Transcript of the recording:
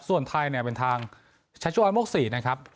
ส่วนไทยเนี่ยเป็นทางชัชวอยโมกศรีนะครับ